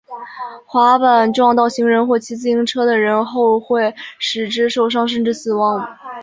滑板撞到行人或骑自行车的人后会使之受伤甚至死亡。